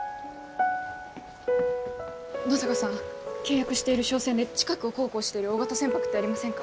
野坂さん契約している商船で近くを航行している大型船舶ってありませんか？